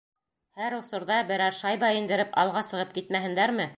Һәр осорҙа берәр шайба индереп, алға сығып китмәһендәрме...